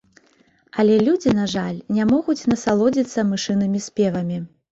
Але людзі, на жаль, не могуць насалодзіцца мышынымі спевамі.